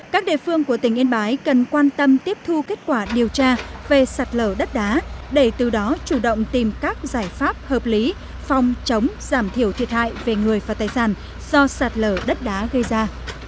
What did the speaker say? các địa phương của tỉnh yên bái cần quan tâm tiếp thu kết quả điều tra về sạt lở đất đá để từ đó chủ động tìm các giải pháp hợp lý phòng chống giảm thiểu thiệt hại về người và tài sản do sạt lở đất đá gây ra